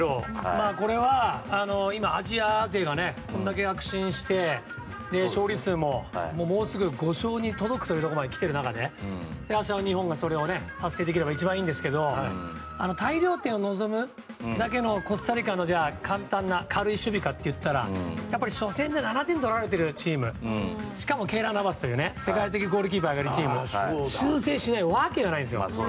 これは、今アジア勢がこれだけ躍進して、勝利数ももうすぐ５勝に届くところまで来てる中で明日、日本がそれを達成できればいいんですけど大量点を望めるだけコスタリカが簡単な、軽い守備かといったらやっぱり初戦で７点取られてるチームでケイラー・ナバスという世界的なゴールキーパーがいるチーム。修正しないわけがないんです。